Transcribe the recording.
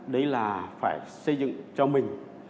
đấy là phải xây dựng cho mình